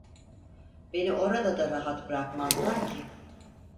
Beni orada da rahat bırakmazlar ki!